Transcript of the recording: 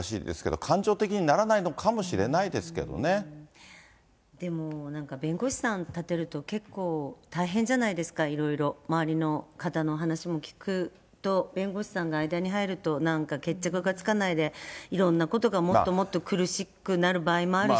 おかしいですけど、感情的にならないのかもしでも、なんか、弁護士さん立てると結構、大変じゃないですか、いろいろ、周りの方のお話も聞くと、弁護士さんが間に入ると、なんか決着がつかないでいろんなことがもっともっと苦しくなる場合もあるし。